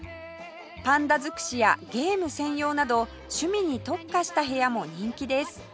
パンダ尽くしやゲーム専用など趣味に特化した部屋も人気です